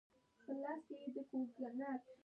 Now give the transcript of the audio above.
بقال ته په پښتو کې غله پلوری وايي.